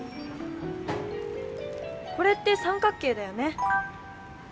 これって三角形だよね。